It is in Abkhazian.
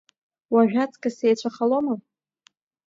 Уажә аҵкыс еицәахалома?